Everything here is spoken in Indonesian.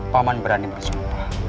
paman berani bersumpah